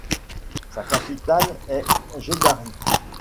Sa capitale est Gedarif.